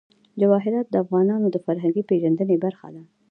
جواهرات د افغانانو د فرهنګي پیژندنې برخه ده.